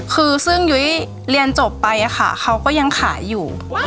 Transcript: คือซึ่งยุ้ยเรียนจบไปค่ะเขาก็ยังขายอยู่